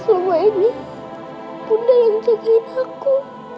selama ini bunda yang jagain aku